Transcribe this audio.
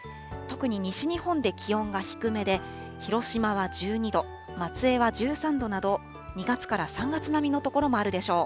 特に西日本で気温が低めで、広島は１２度、松江は１３度など、２月から３月並みの所もあるでしょう。